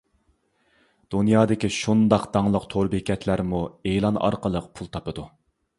دۇنيادىكى شۇنداق داڭلىق تور بېكەتلەرمۇ ئېلان ئارقىلىق پۇل تاپىدۇ.